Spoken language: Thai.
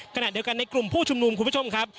ขณะเดียวกันในกลุ่มผู้ชุมนุมคุณผู้ชมครับ